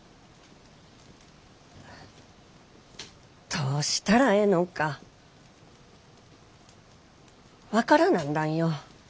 どうしたらええのんか分からなんだんよ。